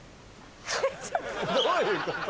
どういうこと？